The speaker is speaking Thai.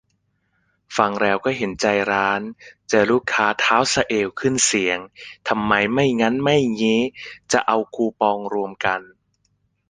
ฟังแล้วก็เห็นใจร้าน เจอลูกค้าเท้าสะเอว ขึ้นเสียง ทำไมไม่งั้นไม่งี้ จะเอาคูปองรวมกัน